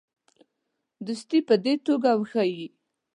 دوستي په دې توګه وښیي.